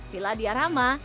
pila di arama